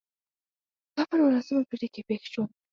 دا په نولسمه پېړۍ کې پېښ شول.